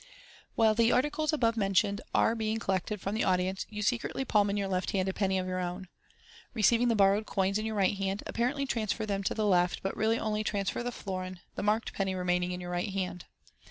While the articles above mentioned are being collected from the audience, you secretly palm in your left hand a penny of your own. Receiving the borrowed coins in your right hand, apparently transfer them to the left, but really only transfer the florin, the marked penny remaining in your right hand.